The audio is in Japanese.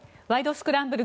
スクランブル」